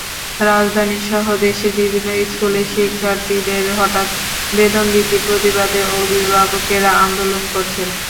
রাজধানীসহ দেশের বিভিন্ন স্কুলে শিক্ষার্থীদের হঠাৎ বেতন বৃদ্ধির প্রতিবাদে অভিভাবকেরা আন্দোলন করছেন।